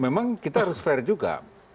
memang kita harus fair juga